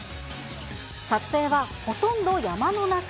撮影は、ほとんど山の中。